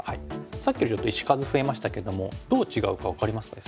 さっきよりちょっと石数増えましたけどもどう違うか分かりますか？